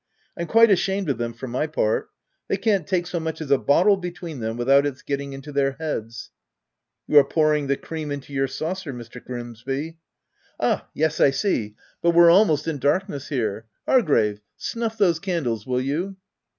« I'm quite ashamed of them for my part : they can't take so much as a bottle between them without its getting into their heads —" a You are pouring the cream into your saucer, Mr. Grimsby." " Ah ! yes, I see, but we're almost in dark ness here. Hargrave, snuff those candles, will you?"